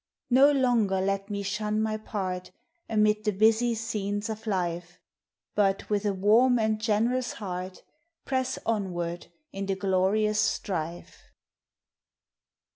]No longer let me shun my part Amid the busy scenes of life, But with a warm and generous heart Press onward in the glorious strife.